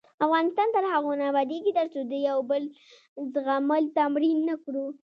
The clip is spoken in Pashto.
افغانستان تر هغو نه ابادیږي، ترڅو د یو بل زغمل تمرین نکړو.